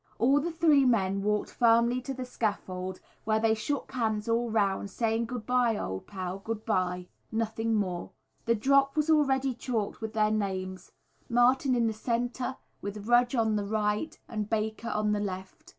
All the three men walked firmly to the scaffold, where they shook hands all round, saying, "Good bye, old pal, good bye" nothing more. The drop was already chalked with their names Martin in the centre, with Rudge on the right and Baker on the left.